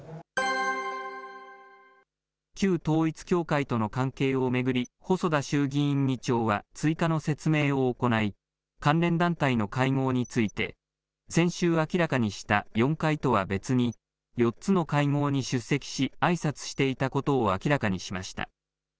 旧統一教会との関係を巡り、細田衆議院議長は追加の説明を行い、関連団体の会合について、先週明らかにした４回とは別に、４つの会合に出席し、あいさつしていたことを明らかにしました。